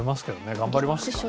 頑張りますかね。